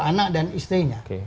anak dan istrinya